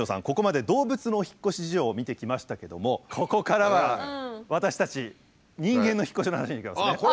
ここまで動物のお引っ越し事情を見てきましたけどもここからは私たち人間の引っ越しの話にいきますね。